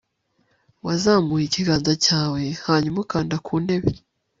wazamuye ikiganza cyawe ... hanyuma ukanda ku ntebe